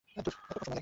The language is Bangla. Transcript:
ভেতরে তাকিয়ে দেখো!